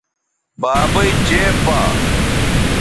بابئ چےپا